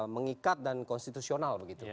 mengikat dan konstitusional begitu